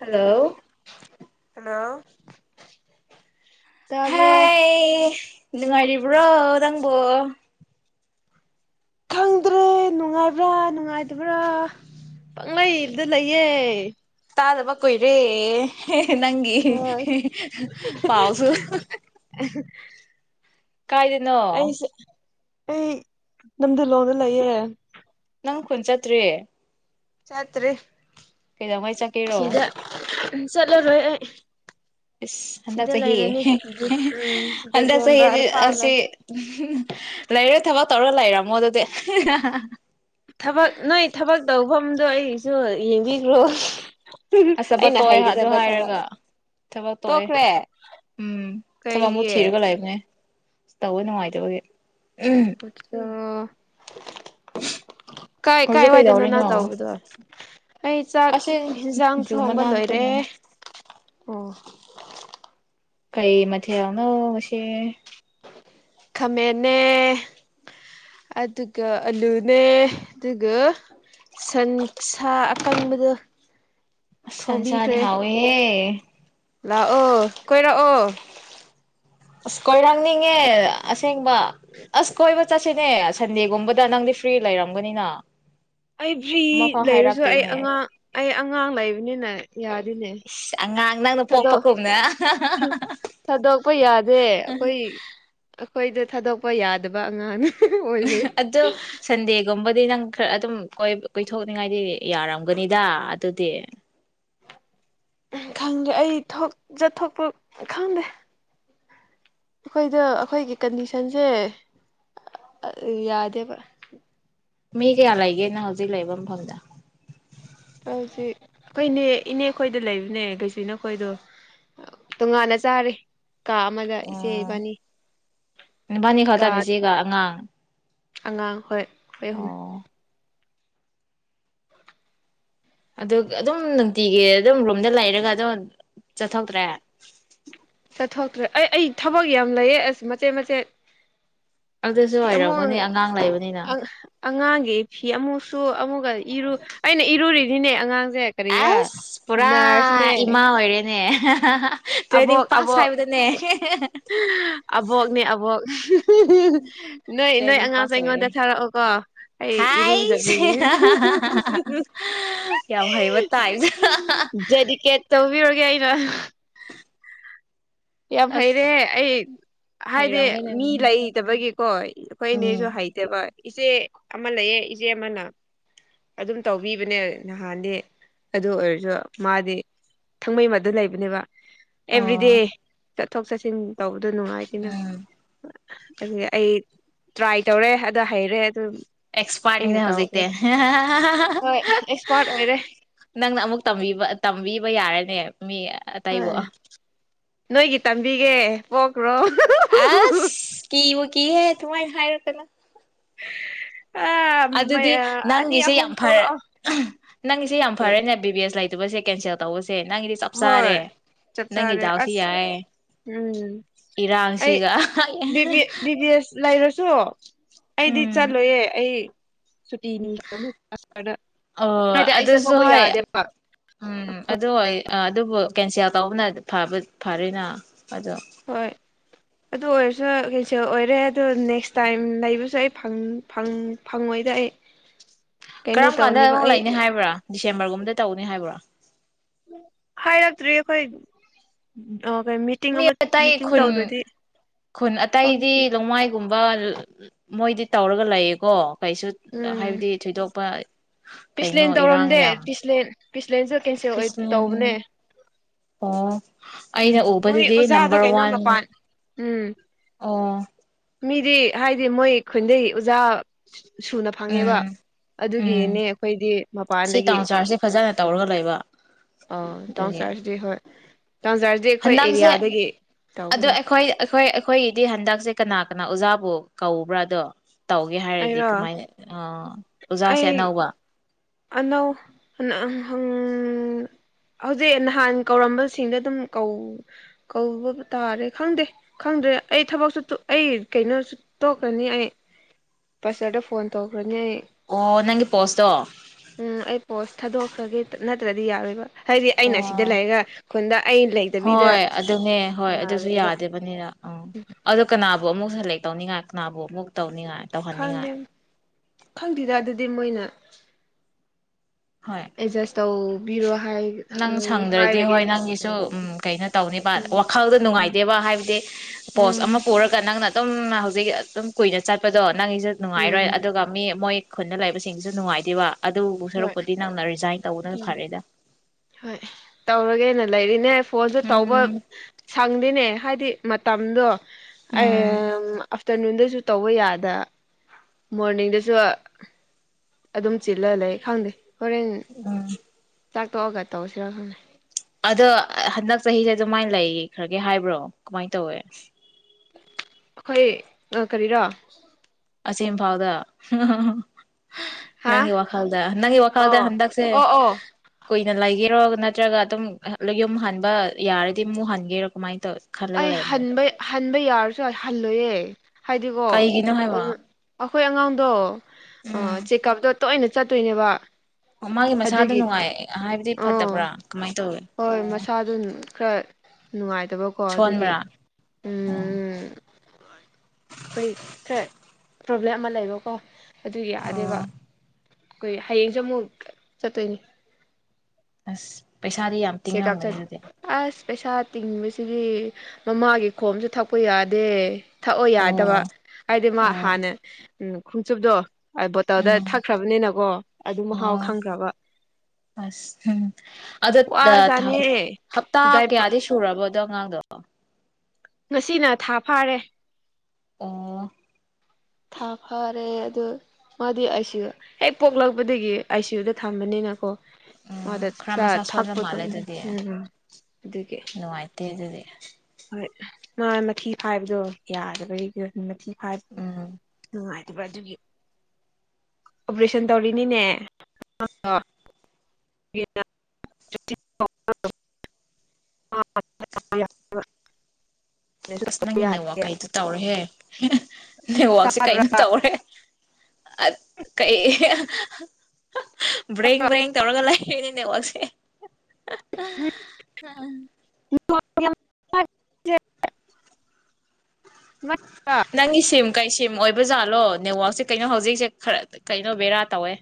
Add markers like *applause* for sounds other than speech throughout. Hello. *unintelligible* ꯇꯥꯕ꯭ꯔꯣ꯫ ꯍꯥꯏ ꯅꯨꯡꯉꯥꯏꯔꯤꯕ꯭ꯔꯣ ꯅꯪꯕꯨꯣ ꯈꯪꯗ꯭ꯔꯦ ꯅꯨꯡꯉꯥꯏꯕ꯭ꯔꯥ ꯅꯨꯡꯉꯥꯏꯇꯕ꯭ꯔꯥ ꯄꯪꯂꯪꯂꯩꯗ ꯂꯩꯌꯦ ꯇꯥꯗꯕ ꯀꯨꯏꯔꯦ ꯅꯪꯒꯤ ꯍꯣꯏ *unintelligible* ꯄꯥꯎꯁꯨ ꯀꯥꯏꯗꯅꯣ ꯑꯩꯁꯦ ꯑꯩ ꯅꯝꯗ ꯂꯣꯡꯗ ꯂꯩ ꯌꯦ ꯅꯪ ꯈꯨꯟ ꯆꯠꯇ꯭ꯔꯤ ꯆꯇ꯭ꯔꯤ ꯀꯩꯗꯧꯉꯩ ꯆꯠꯀꯦꯔꯣ ꯆꯠꯂꯔꯣꯏ ꯑꯩ ꯑꯗ ꯁ ꯁꯤꯗ ꯆꯍꯤ ꯂꯩꯔꯅꯤ ꯎꯝ ꯑꯗ ꯆꯍꯤ ꯗꯤꯁꯦꯝꯕꯔ ꯐꯥꯎ ꯂꯩ ꯆꯍꯤꯁ ꯂꯩꯔꯦ ꯊꯕꯛ ꯇꯧꯔ ꯂꯩꯔꯝꯃꯣ ꯑꯗꯨꯗꯤ ꯊꯕꯛ ꯅꯣꯏ ꯊꯕꯛ ꯇꯧ ꯃꯐꯝꯗꯣ ꯑꯩꯁꯨ ꯌꯦꯡꯕꯤꯈ꯭ꯔꯣ ꯑ ꯆꯄ ꯑꯩꯅ ꯇꯣꯛꯑꯦ ꯑꯗꯨ ꯍꯩꯒꯗꯕ ꯊꯕꯛ ꯍꯥꯏꯔꯒ ꯊꯕꯛ ꯇꯣꯛꯑꯦ ꯇꯣꯛꯈ꯭ꯔꯦ ꯎꯝ ꯊꯕꯛ ꯀꯩꯒꯤ ꯑꯃꯨꯛ ꯑꯣ ꯊꯤꯔꯒ ꯂꯩꯕꯅꯦ ꯇꯧꯕ ꯅꯨꯡꯉꯥꯏꯇꯕꯒꯤ ꯎꯝ ꯑꯆꯥ ꯑꯣ ꯀꯥꯏ ꯀꯥꯏ ꯍꯧꯖꯤꯛ ꯋꯥꯏꯗꯣꯏꯅꯣ ꯀꯩꯗꯧꯔꯤꯅꯣ ꯅꯪ ꯇꯧꯕꯗꯣ ꯑꯩ ꯆꯥꯛ ꯑꯁꯤ ꯍꯦꯟꯁꯥꯡ ꯖꯨ ꯊꯣꯡꯕ ꯂꯣꯏꯔꯦ ꯃꯅꯥꯛꯇꯅꯦ ꯑꯣ ꯀꯩ ꯃꯊꯦꯜꯅꯣ ꯉꯁꯤ ꯈꯥꯃꯟꯅꯟꯅ ꯑꯗꯨꯒ ꯑꯂꯨꯅꯦ ꯑꯗꯨꯒ ꯁꯟꯁꯥ ꯑꯀꯪꯕꯗꯣ ꯑꯁ ꯁꯟꯁꯥꯗꯤ ꯊꯣꯡꯕꯤꯈ꯭ꯔꯦ ꯍꯥꯎꯋꯦꯍꯦ ꯂꯥꯛꯑꯣ ꯀꯣꯏꯔꯛꯑꯣ ꯑꯁ *unintelligible* ꯑꯁꯦꯡꯕ ꯑꯁ ꯀꯣꯏꯕ ꯆꯁꯤꯦꯅꯦ ꯑꯁ ꯁꯟꯗꯦꯒꯨꯝꯕꯗ ꯅꯪꯗꯤ ꯐ꯭ꯔꯤ ꯂꯩꯔꯝꯒꯅꯤꯅ ꯑꯩ ꯐ꯭ꯔꯤ ꯑꯃꯐꯥꯎ ꯂꯩꯔꯁꯨ ꯑꯩ ꯍꯥꯏꯔꯛꯇꯦꯅꯦ ꯑꯉꯥꯡ ꯑꯩꯉꯥꯡ ꯑꯉꯥꯡ ꯂꯩꯕꯅꯤꯅꯦ ꯌꯥꯗꯤꯅꯦ ꯑꯁ ꯑꯉꯥꯡ ꯅꯪꯅ ꯊꯗ ꯄꯣꯛꯄꯒꯨꯝꯅ ꯊꯥꯗꯣꯛꯄ ꯌꯥꯗꯦ ꯑꯩꯈꯣꯏ ꯑꯩꯈꯣꯏꯗ ꯊꯥꯗꯣꯛꯄ ꯌꯥꯗꯕ ꯑꯉꯥꯡ ꯑꯣꯏꯕꯩ ꯑꯗꯣ ꯁꯟꯗꯦꯒꯨꯝꯕ ꯑꯗꯨꯗꯤ ꯅꯪ ꯈꯔ ꯑꯗꯨꯝ ꯀꯣꯏꯊꯣꯛꯅꯤꯉꯥꯏꯗꯤ ꯌꯥꯔꯝꯒꯅꯤꯗ ꯑꯗꯨꯗꯤ ꯎꯝ ꯈꯪꯗꯦ ꯑꯩ ꯊꯣꯛ ꯆꯠꯊꯣꯛꯄ ꯈꯪꯗꯦ꯫ ꯑꯈꯣꯏꯗꯣ ꯑꯈꯣꯏꯒꯤ ꯀꯟꯗꯤꯁꯟꯖꯦ ꯑ-ꯑ ꯌꯥꯗꯦꯕ꯫ ꯃꯤ ꯀꯌꯥ ꯂꯩꯒꯦ ꯅꯪ ꯍꯧꯖꯤꯛ ꯂꯩꯕ ꯃꯐꯝꯗ꯫ ꯍꯧꯖꯤꯛ ꯑꯈꯣꯏ ꯏꯅꯦ ꯏꯅꯦꯈꯣꯏꯗ ꯂꯩꯕꯅꯦ ꯀꯩꯁꯨꯏꯅꯥꯈꯣꯏꯗꯣ ꯇꯣꯉꯥꯟꯅ ꯆꯥꯔꯤ꯫ ꯀꯥ ꯑꯃꯗ ꯑꯣ ꯏꯆꯦ ꯏꯕꯥꯅꯤ ꯅꯕꯥꯅꯤ ꯀꯥ ꯈꯛꯇ ꯅꯆꯦꯒ ꯑꯉꯥꯡ ꯑꯉꯥꯡ ꯍꯣꯏ ꯑꯩꯈꫭꯏ ꯑꯍꯨꯝ ꯑꯣ ꯑꯗꯨ ꯑꯗꯨꯝ ꯅꯨꯡꯇꯤꯒꯤ ꯑꯗꯨꯝ ꯔꯣꯝꯗ ꯂꯩꯔꯒ ꯑꯗꯨꯝ ꯆꯠꯊꯣꯛꯇ꯭ꯔꯦ ꯄꯨꯊꯣꯛꯇ꯭ꯔꯦ ꯑꯩ ꯑꯩ ꯊꯕꯛ ꯌꯥꯝ ꯂꯩꯌꯦ ꯑꯁ ꯃꯆꯦꯠ ꯃꯆꯦꯠ ꯑꯗꯨꯁꯨ ꯐꯤ ꯋꯥꯔꯝꯒꯅꯤ ꯑꯃꯨꯛ ꯑꯉꯥꯡ ꯂꯩꯕꯅꯤꯅ ꯑꯉꯥꯡꯒꯤ ꯐꯤ ꯑꯃꯨꯛꯁꯨ ꯑꯃꯨꯛꯀ ꯏꯔꯨ ꯑꯩꯅ ꯏꯔꯨꯔꯤꯅꯤꯅꯦ ꯑꯉꯥꯡꯁꯦ ꯀꯔꯤꯔꯥ ꯑꯁ ꯄꯨꯔꯥ ꯅꯔꯁꯅꯦ ꯏꯃꯥ ꯑꯣꯏꯔꯦꯅꯦ ꯍ ꯑꯕꯣꯛ ꯑꯕꯣꯛ ꯑꯕꯣꯛꯅꯦ ꯑꯕꯣꯛ ꯅꯣꯏ ꯅꯣꯏ ꯇ꯭ꯔꯦꯅꯤꯡ ꯑꯉꯥꯡꯁꯦ ꯄꯥꯁ ꯑꯩꯉꯣꯟꯗ ꯑꯣꯏꯔꯦ ꯊꯥꯔꯛꯑꯣꯀꯣ ꯑꯩ ꯍꯥꯏꯁ ꯏꯔꯨꯖꯕꯤꯅ‌ꯦ ꯌꯥꯝ ꯍꯩꯕ ꯇꯥꯏꯞꯇ ꯗꯦꯗꯤꯀꯦꯠ ꯇꯧꯕꯤꯔꯒꯦ ꯑꯩꯅ ꯌꯥꯝ ꯍꯩꯔꯦ ꯑꯁ ꯑꯩ ꯍꯥꯏꯗꯤ ꯍꯩꯔꯝꯒꯅꯤ ꯃꯤ ꯂꯩꯇꯕꯒꯤ ꯍꯣꯏ ꯑꯩꯈꯣꯏꯅꯦꯁꯨ ꯎꯝ ꯍꯩꯇ‌ꯦꯕ ꯏꯆꯦ ꯑꯃ ꯂꯩꯌꯦ ꯏꯆꯦ ꯑꯃꯅ ꯑꯗꯨꯝ ꯇꯧꯕꯤꯕꯅꯦ ꯅꯍꯥꯟꯗꯤ ꯑꯗꯨ ꯑꯣꯏꯔꯁꯨ ꯃꯥꯗꯤ ꯊꯥꯡꯃꯩꯕꯟꯗ ꯂꯩꯕꯅꯦꯕ ꯑꯦꯕ꯭ꯔꯤꯗꯦ ꯑꯣ ꯆꯠꯊꯣꯛ ꯆꯠꯁꯤꯟ ꯇꯧꯔꯤ ꯑꯗꯨꯅꯅꯨꯡꯉꯥꯏꯗꯅ ꯎꯝ ꯑꯗꯨ ꯑꯩ ꯇ꯭ꯔꯥꯏ ꯇꯧꯔꯦ ꯑ ꯍꯩꯔꯦ ꯑꯗꯨ ꯑꯩꯅ ꯑꯦꯛꯁꯄꯥꯔꯠꯅꯤꯅꯦ ꯍꯧꯖꯤꯛꯇꯤ ꯇꯧꯈ꯭ꯔꯦ ꯍꯣꯏ ꯑꯦꯛꯁꯄꯥꯔꯠ ꯑꯣꯏꯔꯦ ꯅꯪꯅ ꯑꯃꯨꯛ ꯇꯝꯕꯤꯕ ꯌꯥꯔꯅꯤ ꯑ *unintelligible* ꯃꯤ ꯑꯇꯩꯏꯕꯣ ꯍꯣꯏ ꯅꯣꯏꯒꯤ ꯇꯝꯕꯤꯒꯦ ꯄꯣꯛꯈ꯭ꯔꯣ ꯑꯁ ꯀ ꯋꯥ ꯀ ꯍ ꯇꯨꯥꯏ ꯍꯥꯏꯔꯔ ꯀꯦꯂ *unintelligible* ꯃꯩ ꯑꯗꯨꯗꯤ ꯑꯅꯤ ꯅꯪꯒꯤꯁꯦ ꯌꯥꯝ ꯑꯍꯨꯝ ꯐꯔꯦ ꯄꯣꯛꯂꯛꯑꯣ ꯅꯪꯒꯤꯁꯦ ꯌꯥꯝ ꯐꯔꯦꯅꯦ ꯕꯤ ꯕꯤ ꯑꯦꯁ ꯂꯩꯇ ꯁꯦ ꯀꯦꯟꯁꯤ ꯇꯣ ꯁꯦ ꯅꯪꯒꯤꯗꯤ ꯆꯞ ꯍꯣꯏ ꯆꯥꯔꯦ ꯆꯞ ꯅꯪꯒꯤ ꯆꯥꯔꯦ ꯗꯥꯛꯁꯨ ꯑꯁ ꯌꯥꯔꯦ ꯎꯝ ꯑꯩ ꯏꯔꯥꯡꯁꯤꯒꯥ ꯆꯥ ꯑꯩꯗꯤ ꯆꯠꯂꫭꯏꯌꯦ ꯑꯩ ꯁꯨꯇꯤꯅꯤꯗ ꯑꯣ ꯍꯥꯏꯗꯤ ꯑꯩ ꯑꯗꯨꯁꯨ ꯆꯠꯊꯣꯛꯧꯕ ꯍꯣꯏ ꯌꯥꯗꯦꯕ ꯑꯥ ꯑꯗꯨꯕꯨ ꯀꯦꯟꯁꯦꯜ ꯇꯧꯕꯅ ꯐꯔꯅ ꯑꯖꯝ ꯍꯣꯏ ꯑꯗꯨ ꯑꯣꯏꯔꯁꯨ ꯀꯦꯟꯁꯦꯜ ꯑꯣꯏꯔꯦ ꯑꯗꯨ ꯅꯦꯛꯁ ꯇꯥꯏꯝ ꯅꯩꯕꯁꯨ ꯑꯩ ꯐꯧ ꯐꯧ ꯐꯪꯉꯣꯏꯗ ꯑꯩ ꯀꯩꯅꯣ ꯀꯔꯝ ꯀꯥꯟꯗ ꯇꯧꯅꯦꯕ ꯑꯗꯨꯝ ꯑꯩ ꯂꯩꯥꯛꯅꯤ ꯍꯥꯏꯕ꯭ꯔꯥ ꯁꯦꯞꯇꯦꯝꯕꯔ ꯒꯨꯝꯕꯗ ꯇꯧꯅꯤ ꯍꯥꯏꯕ꯭ꯔꯥ ꯍꯥꯏꯔꯛꯇ꯭ꯔꯤ ꯑꯩꯈꯣꯏ ꯀꯩ ꯃꯤꯇꯤꯡ ꯃꯤ ꯑꯃ ꯑꯇꯩ ꯃꯤꯇꯤꯡ ꯈꯨꯟ ꯇꯧꯗ꯭ꯔꯗꯤ ꯈꯨꯟ ꯑꯇꯩꯗꯤ ꯈꯪꯗ꯭ꯔꯤ ꯂꯣꯡꯃꯥꯏꯒꯨꯝꯕ ꯃꯣꯏꯗꯤ ꯇꯧꯔꯒ ꯂꯩꯌꯦꯀꯣ ꯀꯩꯁꯨ ꯎꯝ ꯍꯥꯏꯕꯗꯤ ꯊꯣꯏꯗꯣꯛꯄ ꯀꯩꯅꯣ ꯏꯔꯥꯡ ꯌꯥꯝ ꯄ꯭ꯂꯦꯟꯁꯨ ꯀꯦꯟꯁꯦꯜ ꯑꯣꯏ ꯇꯧꯕꯅꯦ ꯈ꯭ꯔꯤꯁꯂꯦꯟ ꯑꯣ ꯎꯝ ꯑꯩꯅ ꯃꯣꯏ ꯎꯕꯗꯨꯗꯤ ꯑꯣꯖꯥꯗꯣ ꯅꯝꯕꯔ ꯀꯩꯅꯣ ꯋꯥꯟ ꯃꯄꯥꯟ ꯎꯝ ꯑꯥ ꯃꯤꯗꯤ ꯍꯥꯏꯗꯤ ꯃꯣꯏ ꯈꯎꯟꯗꯩꯩ ꯑꯣꯖꯥ ꯁꯨꯅ ꯐꯪꯉꯦꯕ ꯎꯝ ꯑꯗꯨꯒꯤꯅꯦ ꯎꯝ ꯑꯩꯈꯣꯏꯗꯤ ꯁꯤ ꯃꯄꯥꯟꯗꯒꯤ ꯇꯥꯎꯟ ꯆꯥꯔꯖꯁꯦ ꯐꯖꯅ ꯇꯧꯔꯒ ꯂꯩꯕ ꯑ ꯇꯥꯎꯟ ꯑꯗꯨꯒꯤ ꯁꯍꯔꯁꯤꯗꯤ ꯍꯣꯏ ꯥꯇꯧꯖꯥꯔꯗꯤ ꯑꯩꯈꯣꯏ ꯍꯟꯗꯛꯁꯦ ꯑꯦꯔꯤꯌꯥꯗꯒꯤ ꯑꯗꯣ ꯇꯧꯕꯅꯦ ꯑꯩꯈꯣꯏ ꯑꯩꯈꯣꯏ ꯑꯩꯈꯣꯏꯒꯤꯗꯤ ꯍꯟꯗꯛꯁꯦ ꯀꯅꯥ ꯀꯅꯥ ꯑꯣꯖꯥꯕꯨ ꯀꯧꯕ꯭ꯔꯥꯗꯣ ꯇꯧꯒꯦ ꯍꯥꯏꯔꯗꯤ ꯑꯩꯔꯣ ꯀꯃꯥꯏꯅ ꯑꯣꯖꯥꯁꯦ ꯑꯩ ꯑꯅꯧꯕ ꯑꯅꯧ ꯍꯧꯖꯤꯛ ꯅꯍꯥꯟ ꯀꯧꯔꯝꯕꯁꯤꯡꯗ ꯑꯗꯨꯝ ꯀꯧꯕ ꯇꯥꯔꯦ ꯈꯪꯗꯦ ꯈꯪꯗ꯭ꯔꯦ ꯑꯩ ꯊꯕꯛꯁꯨ ꯑꯩ ꯀꯩꯅꯣꯁꯨ ꯇꯣꯛꯈ꯭ꯔꯅꯤ ꯑꯩ ꯄꯥꯁꯇ꯭ꯔꯗ ꯐꯣꯟ ꯇꯧꯈ꯭ꯔꯅꯤ ꯑꯩ ꯑꯣ ꯅꯪꯒꯤ ꯄꯣꯁꯇꯣ ꯎꯝ ꯑꯩ ꯄꯣꯁ ꯊꯥꯗꯣꯛꯈ꯭ꯔꯒꯦ ꯅꯠꯇ꯭ꯔꯗꯤ ꯌꯥꯔꯣꯏꯕ ꯍꯥꯏꯗꯤ ꯑꯩꯅ ꯁꯤꯗ ꯑꯣ ꯂꯩꯔꯒ ꯈꯨꯟꯗ ꯑꯩ ꯂꯩꯇꯕꯤꯗ ꯍꯣꯏ ꯑꯗꯨꯅꯦ ꯍꯣꯏ ꯑꯗꯨꯁꯨ ꯌꯥꯔꯣꯏꯕ ꯌꯥꯗꯦꯕꯅꯤꯅꯥ ꯑ ꯑꯗꯨꯣ ꯀꯅꯥꯕꯨ ꯑꯃꯨꯛ ꯍꯜꯂꯛꯀꯦ ꯇꯧꯅꯤꯡꯉꯥꯛꯅꯥꯕꯨ ꯑꯃꯨꯛ ꯇꯧ ꯈꯪꯗꯦ ꯈꯪꯗꯦꯗꯥ ꯑꯗꯨꯗꯤ ꯃꯣꯏꯅ ꯍꯣꯏ ꯑꯦꯗꯖꯁ ꯇꯧꯕꯤꯔꯣ ꯍꯥꯏ ꯅꯪ ꯁꯪꯗ꯭ꯔꯗꯤ ꯍꯣꯏ ꯍꯥꯏꯔꯒꯦꯅ ꯅꯪꯒꯤꯁꯨ ꯀꯩꯅꯣ ꯇꯧꯅꯤꯕ ꯎꯝ ꯋꯥꯈꯜꯗ ꯎꯝ ꯅꯨꯡꯉꯥꯏꯇꯦꯕ ꯍꯥꯏꯕꯗꯤ ꯄꯣꯁ ꯎꯝ ꯑꯃ ꯄꯨꯔꯒ ꯅꯪꯅ ꯑꯗꯨꯝ ꯍꯧꯖꯤꯛ ꯑꯗꯨꯝ ꯀꯨꯏꯅ ꯆꯠꯄꯗꯣ ꯅꯪꯒꯤꯁꯨ ꯅꯨꯡꯉꯥꯏꯔꯣꯏ ꯎꯝ ꯑꯗꯨꯒ ꯃꯤ ꯃꯣꯏ ꯈꯨꯟꯅ ꯂꯩꯕꯁꯤꯡꯁꯤꯁꯨ ꯅꯨꯡꯉꯥꯏꯇꯦꯕ ꯑꯗꯨꯕꯨ ꯍꯣꯏ ꯁꯔꯨꯛꯄꯨꯗꯤ ꯅꯪꯅ ꯔꯤꯖꯥꯏꯟ ꯇꯧꯕꯗꯨꯅ ꯐꯔꯦꯗ ꯍꯣꯏ ꯇꯧꯔꯒꯦꯅ ꯂꯩꯔꯤꯅꯦ ꯐꯣꯟꯜꯗ ꯇꯧꯕ ꯎꯝ ꯁꯪꯗꯦꯅꯦ ꯍꯥꯏꯗꯤ ꯃꯇꯝꯗꯣ ꯎꯝ ꯑꯥꯐꯇꯔꯅꯨꯟꯗꯁꯨ ꯇꯧꯕ ꯌꯥꯗ ꯃꯣꯔꯅꯤꯡꯗꯁꯨ ꯑꯗꯨꯝ ꯆꯤꯜꯂ ꯂꯩ ꯈꯪꯗꯦ ꯑꯥ ꯆꯥꯛꯇꯣꯛꯑꯒ ꯇꯧꯁꯤꯔ ꯈꯅꯤ ꯑꯗꯣ ꯍꯟꯗꯛ ꯆꯍꯤꯁꯦ ꯑꯗꯨꯃꯥꯏꯅ ꯂꯩꯈ꯭ꯔꯒꯦ ꯍꯥꯏꯕ꯭ꯔꯣ ꯀꯃꯥꯏꯅ ꯇꯧꯋꯦ ꯑꯩꯈꯣꯏ ꯀꯔꯤꯔꯣ ꯑꯁꯦꯡ ꯐꯥꯎꯗ ꯍꯥꯍꯥꯍꯥ ꯍꯥ ꯅꯪꯒꯤ ꯋꯥꯈꯜꯗ ꯅꯪꯒꯤ ꯋꯥꯈꯜꯗ ꯑꯣ ꯍꯟꯗꯛꯁꯦ ꯑꯣ ꯑꯣ ꯀꯨꯏꯅ ꯂꯩꯒꯦꯔꯣ ꯅꯠꯇ꯭ꯔꯒ ꯑꯗꯨꯝ ꯌꯨꯝ ꯍꯟꯕ ꯌꯥꯔꯗꯤ ꯃꯨꯛ ꯍꯟꯒꯦꯔꯣ ꯀꯃꯥꯏꯅ ꯇꯧ ꯈꯜꯂꯒ ꯑꯩ ꯂꯩꯕ꯭ꯔꯣ ꯍꯟꯕ ꯍꯟꯕ ꯌꯥꯔꯁꯨ ꯑꯩ ꯍꯜꯂꯣꯏꯌꯦ ꯍꯥꯏꯗꯤꯀꯣ ꯀꯩꯒꯤꯅꯣ ꯍꯥꯏꯕ ꯀꯩꯅꯣ ꯑꯩꯈꯣꯏ ꯑꯉꯥꯡꯗꯣ ꯑ ꯎꯝ ꯆꯦꯛꯀꯑꯞꯗ ꯇꯣꯏꯅ ꯆꯠꯇꯣꯏꯅꯦꯕ ꯃꯥꯒꯤ ꯃꯁꯥꯗ ꯑꯗꯨꯒꯤ ꯅꯨꯡꯉꯑꯦ ꯍꯥꯏꯕꯗꯤ ꯑꯥ ꯐꯠꯇꯕ꯭ꯔꯥ ꯀꯃꯥꯏꯅ ꯇꯧ ꯍꯣꯏ ꯃꯁꯥꯗꯨꯝ ꯈꯔ ꯅꯨꯡꯉꯥꯏ ꯇꯕꯀꯣ ꯑꯗꯨꯒꯤ ꯁꯣꯟꯕ꯭ꯔꯥ ꯑꯣ ꯎꯝ ꯑꯩꯈꯣꯏ ꯈꯔꯦ ꯄ꯭ꯔꯣꯕ꯭ꯂꯦꯝ ꯑꯃ ꯂꯩꯌꯦꯕꯀꯣ ꯑꯗꯨꯌꯥꯗꯦꯕ ꯑꯣ ꯑꯩꯈꯣꯏ ꯍꯌꯦꯡꯁꯦ ꯑꯃꯨꯛ ꯆꯠꯇꯣꯏꯅꯤ ꯑꯁ ꯄꯩꯁꯥꯗꯤ ꯌꯥꯝ ꯆꯦꯛꯑꯞ ꯇꯤꯡꯉꯝꯒꯅꯤ ꯆꯠ ꯑꯗꯨꯗꯤ ꯑꯁ ꯄꯩꯁꯥ ꯇꯤꯡꯕꯁꯤꯗꯤ ꯃꯃꯥꯒꯤ ꯈꯣꯝꯁꯨ ꯊꯛꯄ ꯌꯥꯗꯦ ꯊꯛꯑꯣ ꯑꯣ ꯌꯥꯗꯕ ꯍꯥꯏꯗꯤ ꯃꯥ ꯑꯣ ꯍꯥꯟꯅ ꯎꯝ ꯈꯣꯡꯆꯨꯞꯗꯣ ꯕꯣꯇꯜꯗ ꯎꯝ ꯊꯛꯈ꯭ꯔꯕꯅꯤꯅꯀꯣ ꯑꯗꯨ ꯃꯍꯥꯎ ꯑꯣ ꯈꯪꯈ꯭ꯔꯕ ꯑꯁ ꯎꯝ ꯑꯗꯣ ꯋꯥꯖꯥꯠꯅꯤꯍꯦ ꯍꯞꯇꯥ ꯗꯥꯏꯄꯔ ꯀꯌꯥꯗꯤ ꯁꯨꯔꯕ ꯕꯗ ꯑꯉꯥꯡꯗ ꯉꯁꯤꯅ ꯊꯥ ꯐꯥꯔꯦ ꯑꯣ ꯊꯥ ꯐꯔꯦ ꯑꯗꯨ ꯃꯥꯗꯤ ꯑꯥꯏ ꯁꯤꯌꯨ ꯍꯦꯛ ꯄꯣꯛꯂꯛꯄꯗꯒꯤ ꯑꯥꯏ ꯁꯤꯌꯨꯗ ꯊꯝꯕꯅꯤꯅꯀꯣ ꯎꯝ ꯑꯗ ꯈꯔ ꯃꯁꯥ ꯁꯣꯟꯕ ꯊꯛꯄꯗꯣ ꯃꯥꯜꯂꯦ ꯎꯝ ꯑꯗꯨꯗꯤ ꯎꯝ ꯑꯗꯨꯒꯤ ꯅꯨꯡꯉꯥꯏꯇꯦ *inaudible* ꯍꯣꯏ ꯃꯥ ꯃꯊꯤ ꯐꯥꯏꯕꯗꯣ ꯌꯥꯗꯕ ꯃꯊꯤ ꯐꯥꯏꯕ ꯎꯝ ꯅꯨꯡꯉꯥꯏꯗꯕ ꯑꯗꯨꯒꯤ ꯑꯣꯄ꯭ꯔꯦꯁꯟ ꯇꯧꯔꯤꯅꯤꯅꯦ ꯋꯥ *unintelligible* *unintelligible* ꯅꯋꯥꯛꯁꯦ ꯇꯥꯕ꯭ꯔꯥ ꯀꯩꯅꯣ ꯇꯧꯔꯦ ꯑ ꯀꯩ ꯕ꯭ꯔꯦꯡ ꯕ꯭ꯔꯦꯡ ꯇꯧꯔꯒ ꯂꯩꯅꯦ ꯅꯦꯠꯋꯥꯛꯁꯦ *unintelligible* *unintelligible* ꯅꯪꯒꯤꯁꯤꯝ ꯀꯩ ꯁꯤꯝ ꯑꯣꯏꯕꯖꯥꯠꯂꯣ ꯅꯦꯠꯋꯥꯛꯁꯦ ꯀꯩꯅꯣ ꯍꯧꯖꯤꯛꯁꯦ ꯈꯔ ꯀꯩꯅꯣ ꯕꯦꯔꯥ ꯇꯧꯋꯦ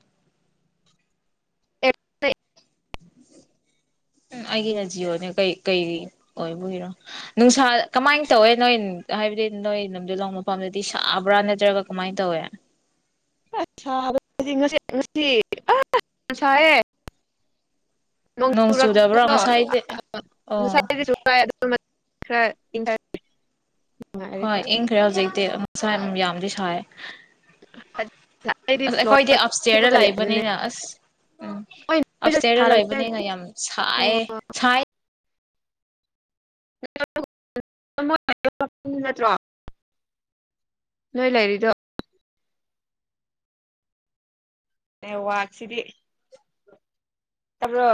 *unintelligible* ꯎꯝ ꯑꯩꯒꯤ ꯔꯖꯤꯌꯣꯅꯦ ꯀꯩ ꯀꯩ ꯑꯣꯏꯕꯨꯒꯤꯔꯣ ꯅꯨꯡꯁꯥ ꯀꯃꯥꯏꯅ ꯇꯧꯋꯦ ꯅꯣꯏ ꯍꯥꯏꯕꯗꯤ ꯅꯣꯏ ꯅꯨꯡꯗꯤꯜ ꯂꯣꯡ ꯃꯄꯥꯐꯝꯗꯗꯤ ꯁꯥꯕ꯭ꯔꯥ ꯅꯠꯇ꯭ꯔꯒ ꯀꯃꯥꯏꯅ ꯇꯧꯋꯦ *unintelligible* ꯅꯣꯡ ꯆꯨꯗꯕ꯭ꯔꯣ ꯉꯁꯥꯏꯗꯤ *unintelligible* ꯑꯣ *unintelligible* ꯅꯨꯡꯉꯥꯏꯔꯦ ꯍꯣꯏ ꯈꯔ ꯏꯡꯈ꯭ꯔꯦ ꯍꯧꯖꯤꯛꯇꯛꯇꯤ ꯉꯥ ꯁꯥꯏꯝ ꯌꯥꯝꯗꯤ ꯁꯥꯏ ꯑꯩꯗꯤ ꯑꯁ ꯐ꯭ꯂꯣꯔ ꯑꯩꯈꯣꯏꯗꯤ ꯑꯞꯁꯇꯦꯌꯔꯗ ꯍꯤꯞꯄꯒ ꯂꯩꯕꯅꯦ ꯂꯩꯕꯅꯤꯅ ꯑꯁ ꯎꯝ ꯍꯣꯏ ꯅꯣꯏꯗ ꯑꯞꯁꯇꯦꯌꯔꯗ ꯁꯥꯔꯝꯅꯦ ꯂꯩꯕꯅꯤꯅ ꯌꯥꯝ ꯁꯥꯏꯌꯦ ꯁꯥꯏ *unintelligible* ꯂꯣꯏ ꯂꯩꯔꯤꯗꯣ ꯅꯦꯠꯋꯥꯥꯛꯁꯤꯗꯤ ꯇꯕ꯭ꯔꯣ